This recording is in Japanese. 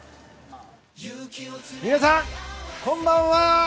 皆さん、こんばんは！